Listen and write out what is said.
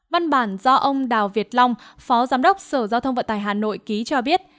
văn bản do ông đào việt long phó giám đốc sở giao thông vận tài hà nội ký cho biết